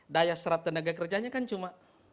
daya serap tenaga kerjanya kan cuma